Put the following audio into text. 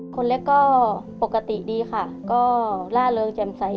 คนเล็กก็ปกติดีค่ะก็ล่าเริงแจ่มใส